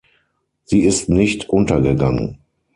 Sie ist nicht untergegangen.